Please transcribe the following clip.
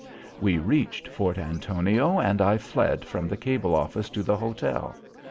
We reached Fort Antonio and I fled from the cable office to the hotel.